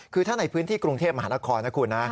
คือถ้าในพื้นที่กรุงเทพมหานครนะคุณนะ